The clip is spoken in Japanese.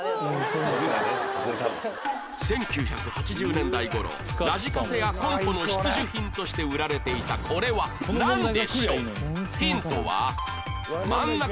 １９８０年代頃ラジカセやコンポの必需品として売られていたこれはなんでしょう？